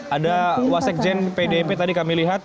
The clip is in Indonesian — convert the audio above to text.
ada wasekjen pdip tadi kami lihat